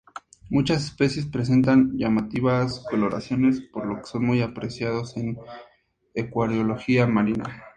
Muchas especies presentan llamativas coloraciones, por lo que son muy apreciados en acuariología marina.